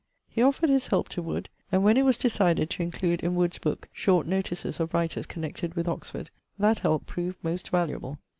He offered his help to Wood; and, when it was decided to include in Wood's book short notices of writers connected with Oxford, that help proved most valuable.